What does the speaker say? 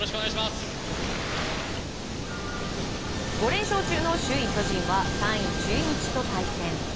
５連勝中の首位、巨人は３位、中日と対戦。